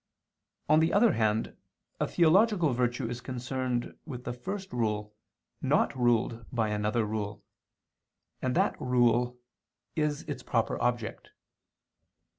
On the other hand, a theological virtue is concerned with the First Rule not ruled by another rule, and that Rule is its proper object.